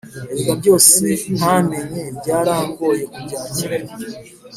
Erega byose ntamenye byarangoye kubyakira